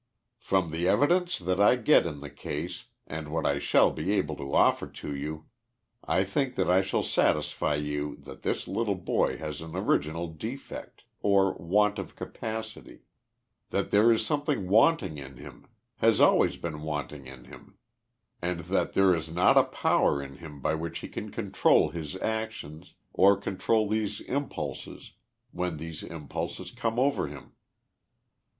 From the evidence that I get in the case and what I shall be able to offer to you, I think that I shall satisfy you that this boy has an original defect, or want of capacity ; that there is. some thing wanting in him. has always been wanting in him, and that there is not a power in him by which he can control his actions, or control these impulses, when these impulses come over him.